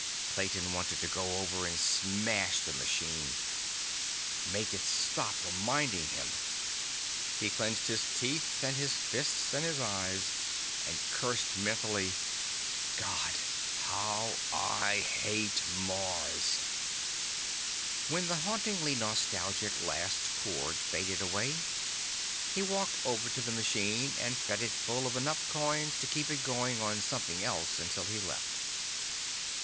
Clayton wanted to go over and smash the machine—make it stop reminding him. He clenched his teeth and his fists and his eyes and cursed mentally. God, how I hate Mars! When the hauntingly nostalgic last chorus faded away, he walked over to the machine and fed it full of enough coins to keep it going on something else until he left.